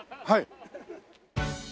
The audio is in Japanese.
はい。